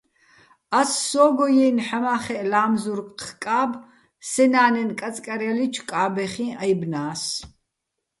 ას სო́გო ჲაჲნი̆ ჰ̦ამა́ხეჸ ლა́მზურხ კაბ სენა́ნენ კაწკარჲალიჩო̆ კა́ბეხიჼ აჲბნა́ს.